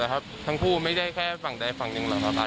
เราจะต้องจัดลำดับคิวลูกค้า